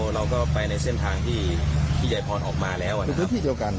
ในพื้นที่เดียวกัน